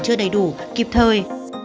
chưa đầy đủ kịp thời